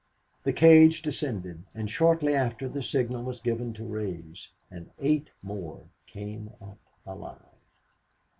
The cage descended and shortly after the signal was given to raise, and eight more came up alive.